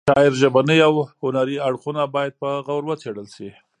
د شاعر ژبني او هنري اړخونه باید په غور وڅېړل شي.